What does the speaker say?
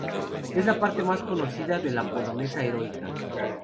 Es la parte más conocida de la "Polonesa heroica".